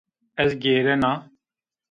Ez agêrena